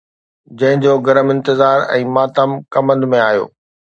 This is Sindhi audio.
جنهن جو گرم انتظار ۽ ماتم ڪمند ۾ آيو